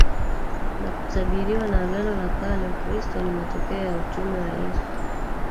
na kutabiriwa na Agano la KaleUkristo ni matokeo ya utume wa Yesu